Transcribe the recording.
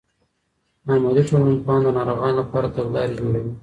عملي ټولنپوهان د ناروغانو لپاره تګلارې جوړوي.